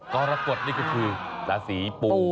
กรกฎนี่ก็คือราศีปู